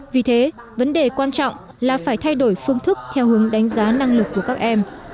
vì thế vấn đề quan trọng là phải thay đổi phương thức theo hướng đánh giá năng lực của các em